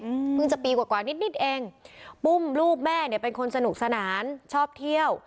อืมเพิ่งจะปีกว่ากว่านิดนิดเองปุ้มลูกแม่เนี้ยเป็นคนสนุกสนานชอบเที่ยว